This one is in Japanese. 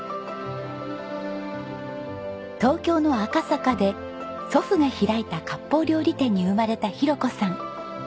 東京の赤坂で祖父が開いた割烹料理店に生まれた裕子さん。